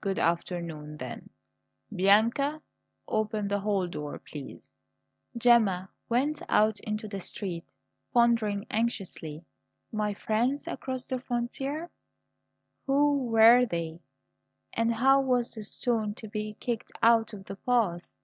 Good afternoon, then! Bianca, open the hall door, please." Gemma went out into the street, pondering anxiously. "My friends across the frontier" who were they? And how was the stone to be kicked out of the path?